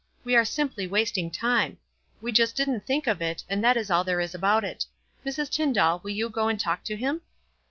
"We are simply wasting time. We jnst didn't think of it, and that is all there is about it. Mrs. Tyndall, will you go and talk to him?"